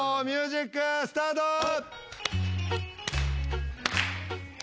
ミュージックスタート。